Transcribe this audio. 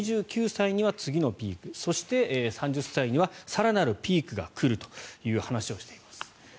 ２９歳には次のピークそして、３０歳には更なるピークが来るという話をしています。